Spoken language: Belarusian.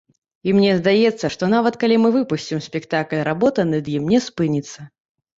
І мне здаецца, што нават калі мы выпусцім спектакль, работа над ім не спыніцца.